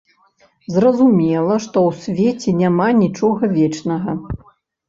Зразумела, што ў свеце няма нічога вечнага.